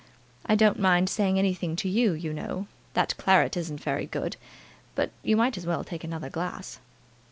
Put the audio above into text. I don't mind saying anything to you, you know. That claret isn't very good, but you might as well take another glass."